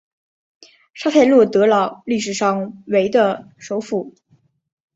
沙泰洛德朗历史上为的首府。